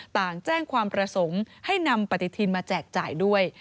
ต่างแจ้งความประสงค์ให้นำปฏิทินมาแจกจ่ายด้วย